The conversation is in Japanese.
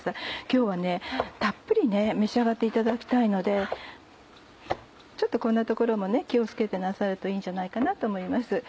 今日はたっぷり召し上がっていただきたいのでちょっとこんな所も気を付けてなさるといいんじゃないかなと思います。